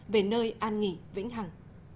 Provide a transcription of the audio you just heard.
về nơi an nghỉ vĩnh hẳn